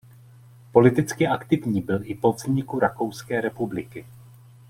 Politicky aktivní byl i po vzniku Rakouské republiky.